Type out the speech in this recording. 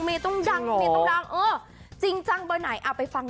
เออต้นาวสีต้องปัง